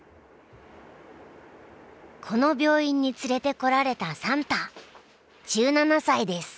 この病院に連れてこられたサンタ１７歳です。